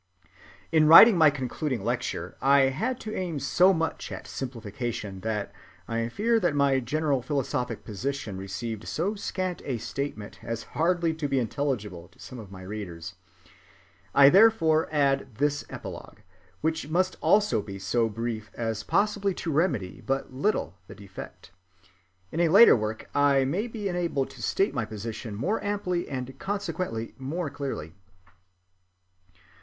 In writing my concluding lecture I had to aim so much at simplification that I fear that my general philosophic position received so scant a statement as hardly to be intelligible to some of my readers. I therefore add this epilogue, which must also be so brief as possibly to remedy but little the defect. In a later work I may be enabled to state my position more amply and consequently more clearly.